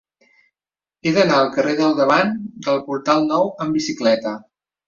He d'anar al carrer del Davant del Portal Nou amb bicicleta.